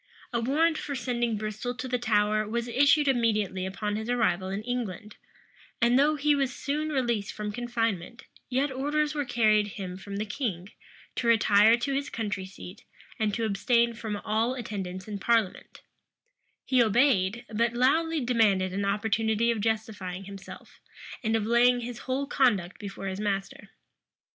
A warrant for sending Bristol to the Tower was issued immediately upon his arrival in England;[*] and though he was soon released from confinement, yet orders were carried him from the king, to retire to his country seat, and to abstain from all attendance in parliament He obeyed; but loudly demanded an opportunity of justifying himself, and of laying his whole conduct before his master.